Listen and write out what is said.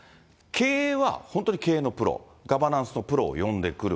経営は本当に経営のプロ、ガバナンスのプロを呼んでくる。